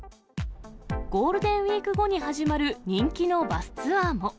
ゴールデンウィーク後に始まる人気のバスツアーも。